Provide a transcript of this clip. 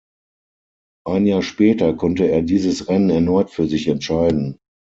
Ein Jahr später konnte er dieses Rennen erneut für sich entscheiden.